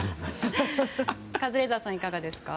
カズレーザーさんはいかがですか？